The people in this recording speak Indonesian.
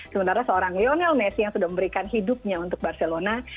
sementara seorang lionel messi yang sudah memberikan hidupnya untuk barcelona